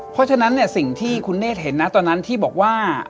เพราะฉะนั้นเนี่ยสิ่งที่คุณเนธเห็นนะตอนนั้นที่บอกว่า